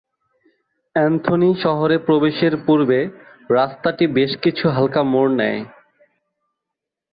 Anthony শহরে প্রবেশের পূর্বে রাস্তাটি বেশ কিছু হালকা মোড় নেয়।